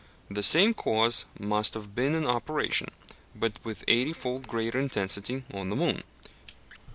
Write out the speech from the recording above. The same cause must have been in operation, but with eighty fold greater intensity, on the moon.